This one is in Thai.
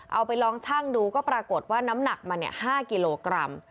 เอาไปลองชั่งดูก็ปรากฏว่าน้ำหนักมัน๕กิโลกรัม